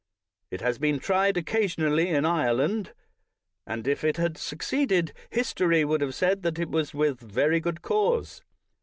It has been tried occasionally in Ireland, and if it had succeeded history would have said that it was with very good cause.